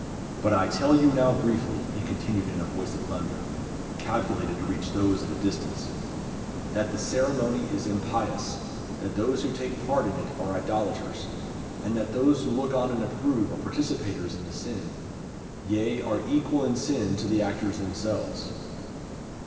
But I tell you now briefly," he continued in a voice of thunder, calculated to reach those at a distance, "that the ceremony is impious; that those who take part in it are idolaters; and that those who look on and approve are participators in the sin; yea, are equal in sin to the actors themselves."